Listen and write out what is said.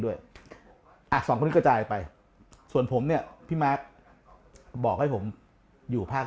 ด้วยอ่ะสองคนนี้กระจายไปส่วนผมเนี่ยพี่มาร์คบอกให้ผมอยู่ภาค